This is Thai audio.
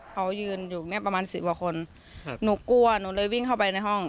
เขายืนอยู่เนี้ยประมาณสิบกว่าคนครับหนูกลัวหนูเลยวิ่งเข้าไปในห้อง